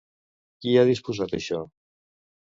Qui ha disposat això?